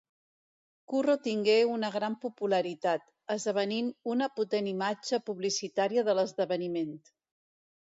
Curro tingué una gran popularitat, esdevenint una potent imatge publicitària de l'esdeveniment.